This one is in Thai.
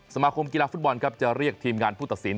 สมาคมกีฬาฟุตบอลครับจะเรียกทีมงานผู้ตัดสิน